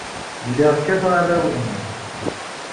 Lliɣ kkateɣ arraw-inu.